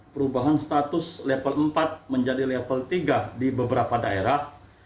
perubahan status level empat menjadi level tiga di beberapa daerah